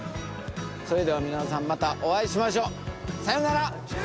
それでは皆さんまたお会いしましょう。さようなら！